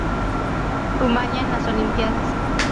Rumania en las Olimpíadas